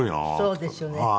そうですよね。